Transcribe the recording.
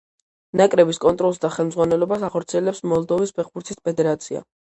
ნაკრების კონტროლს და ხელმძღვანელობას ახორციელებს მოლდოვის ფეხბურთის ფედერაცია.